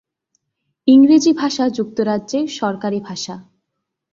ইংরেজি ভাষা যুক্তরাজ্যের সরকারি ভাষা।